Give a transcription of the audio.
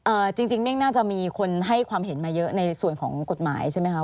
จริงจริงเ่งน่าจะมีคนให้ความเห็นมาเยอะในส่วนของกฎหมายใช่ไหมคะ